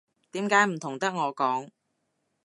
點解唔同得我講